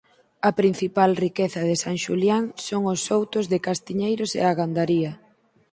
A principal riqueza de San Xulián son os soutos de castiñeiros e a gandaría.